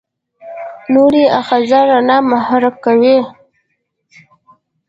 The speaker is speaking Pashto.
نوري آخذه رڼا محرک کوي.